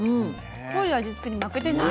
濃い味つけに負けてない。